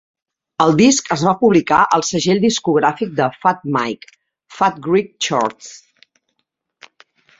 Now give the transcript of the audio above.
El disc es va publicar al segell discogràfic de Fat Mike, Fat Wreck Chords.